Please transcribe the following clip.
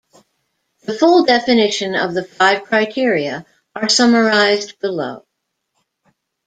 The full definition of the five criteria are summarised below.